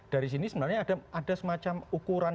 dari sini sebenarnya ada semacam ukuran